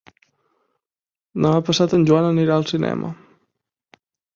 Demà passat en Joan anirà al cinema.